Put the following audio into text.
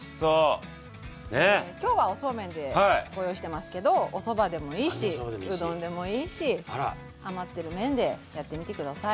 今日はおそうめんでご用意してますけどおそばでもいいしうどんでもいいし余ってる麺でやってみて下さい！